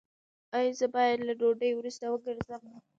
ایا زه باید له ډوډۍ وروسته وګرځم؟